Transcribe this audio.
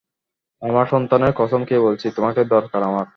আমার সন্তানের কসম খেয়ে বলছি, তোমাকে দরকার আমার!